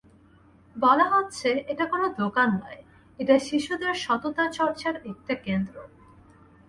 বলা হচ্ছে, এটা কোনো দোকান নয়, এটা শিশুদের সততা চর্চার একটা কেন্দ্র।